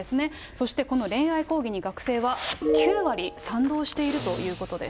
そして、この恋愛講義に、学生は９割賛同しているということです。